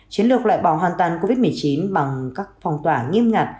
chiến lược loại bỏ hoàn toàn covid một mươi chín bằng các phòng tỏa nghiêm ngặt